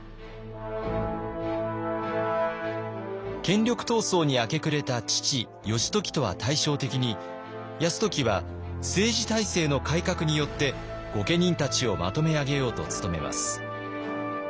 権力闘争に明け暮れた父義時とは対照的に泰時は政治体制の改革によって御家人たちをまとめ上げようと努めます。